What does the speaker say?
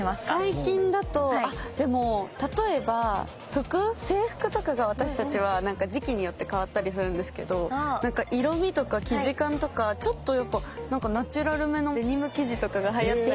最近だと例えば制服とかが私たちは時期によってかわったりするんですけど色みとか生地感とかちょっとナチュラルめのデニム生地とかがはやったり。